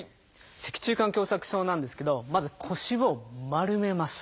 脊柱管狭窄症なんですけどまず腰を丸めます。